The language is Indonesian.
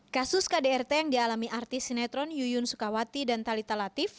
kasus kdrt yang dialami artis sinetron yuyun sukawati dan talita latif